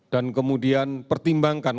dan kemudian pertimbangkan